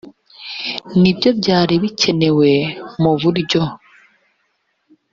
ni byo byari bikenewe mu buryo